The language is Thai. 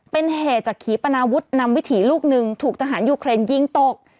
เป็นเหตุจากขีปนาวุฒินำวิถีลูกหนึ่งถูกทหารยูเครนยิงตก